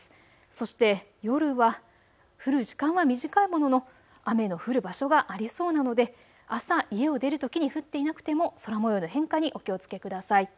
そして夜は降る時間は短いものの雨の降る場所がありそうなので朝家を出るときに降っていなくても空もようの変化にお気をつけください。